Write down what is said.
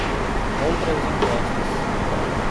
Contra os Impostos